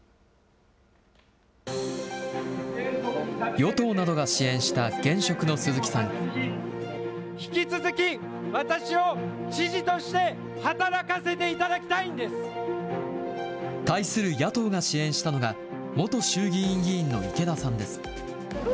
与党などが支援した現職の鈴引き続き私を知事として働か対する野党が支援したのが、元衆議院議員の池田さんです。